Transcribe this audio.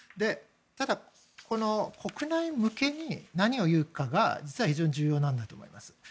ただ、国内向けに何を言うかが実は非常に重要なんだと思います。